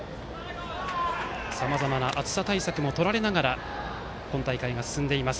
さまざまな暑さ対策もとられながら今大会が進んでいます。